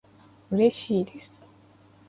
うれしいです